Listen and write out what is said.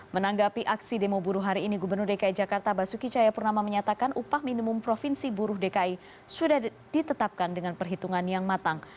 menanggapi aksi demo buruh hari ini gubernur dki jakarta basuki cahayapurnama menyatakan upah minimum provinsi buruh dki sudah ditetapkan dengan perhitungan yang matang